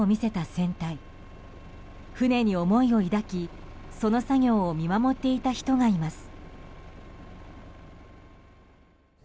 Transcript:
船に思いを抱き、その作業を見守っていた人がいます。